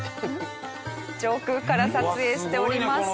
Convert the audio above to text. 上空から撮影しております。